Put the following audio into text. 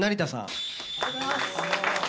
ありがとうございます。